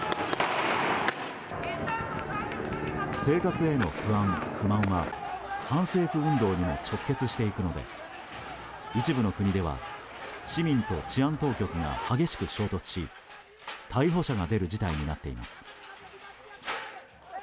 生活への不安・不満は反政府運動にも直結していくので一部の国では市民と治安当局が激しく衝突し逮捕者が出る事態になっています。